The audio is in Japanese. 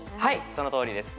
そのとおりです。